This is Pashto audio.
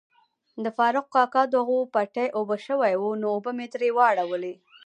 د فاروق کاکا دغو پټی اوبه شوای وو نو اوبه می تري واړولي.